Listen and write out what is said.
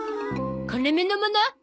金目のもの？